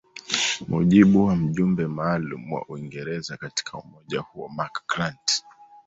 mujibu wa mjumbe maalum wa uingereza katika umoja huo mark grant